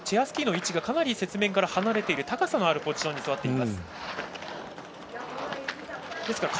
スキーの位置がかなり雪面から離れていて高さのあるポジションに座っています。